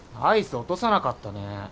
アイス落とさなかったね